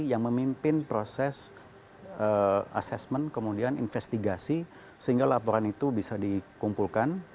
yang memimpin proses asesmen kemudian investigasi sehingga laporan itu bisa dikumpulkan